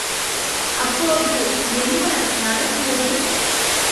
அப்போது என்ன நடக்கிறது?